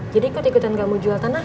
jadi kau ikutan nggak mau jual tanah